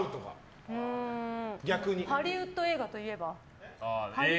ハリウッド映画といえば？